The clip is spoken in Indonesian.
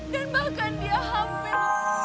dan bahkan dia hampir